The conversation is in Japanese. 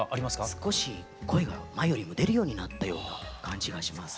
少し声が前よりも出るようになったような感じがします。